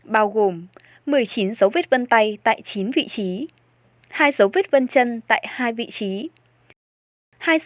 bao gồm một mươi chín dấu vết vân tay tại chín vị trí hai dấu vết vân chân tại hai vị trí hai dấu vết giày dép